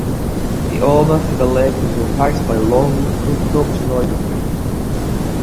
The armour for the leg was replaced by long, cuff-topped, riding boots.